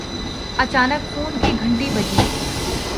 اچانک فون کی گھنٹی بجی